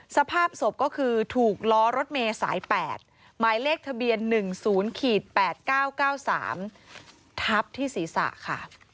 สภาพศพก็คือถูกล้อรถเมย์สาย๘หมายเลขทะเบียน๑๐๘๙๙๓ทับที่ศีรษะค่ะ